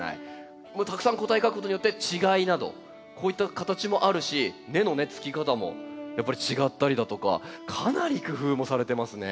たくさん個体描くことによって違いなどこういった形もあるし根のつき方もやっぱり違ったりだとかかなり工夫もされてますね。